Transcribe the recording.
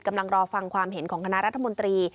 รอฟังความเห็นของคณะรัฐมนตรี